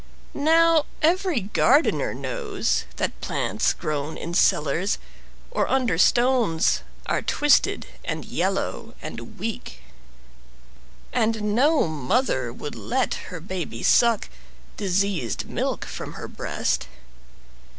Now every gardener knows that plants grown in cellars Or under stones are twisted and yellow and weak. And no mother would let her baby suck Diseased milk from her breast.